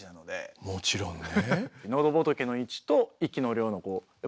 もちろんね。